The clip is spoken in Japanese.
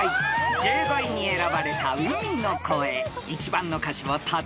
［１５位に選ばれた『海の声』］